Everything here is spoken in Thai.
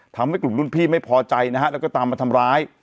ทำให้กลุ่มรุ่นพี่ไม่พอใจนะฮะแล้วก็ตามมาทำร้าย